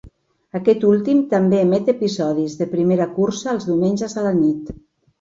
Aquest últim també emet episodis de primera cursa els diumenges a la nit.